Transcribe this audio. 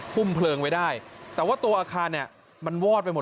ุ่มเพลิงไว้ได้แต่ว่าตัวอาคารเนี่ยมันวอดไปหมด